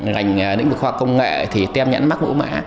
ngành nĩnh vực khoa công nghệ thì tem nhãn mắc mũ mã